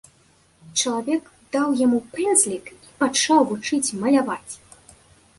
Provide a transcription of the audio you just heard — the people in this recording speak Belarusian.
Чалавек даў яму пэндзлік і пачаў вучыць маляваць.